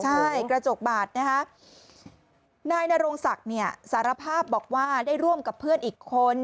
ใช่กระจกบาดนะคะนายนโรงศักดิ์เนี่ยสารภาพบอกว่าได้ร่วมกับเพื่อนอีกคน